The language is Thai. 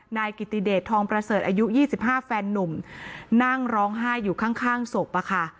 นายกิติเดชทองประเสริฐอายุ๒๕แฟนนุ่มนั่งร้องไห้อยู่ข้างศพอะค่ะ